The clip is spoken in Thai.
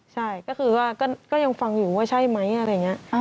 ใช่ก็คือว่าก็ยังฟังอยู่ว่าใช่ไหมอะไรอย่างนี้